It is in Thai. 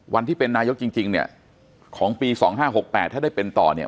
วันที่เป็นนายกจริงเนี่ยของปี๒๕๖๘ถ้าได้เป็นต่อเนี่ย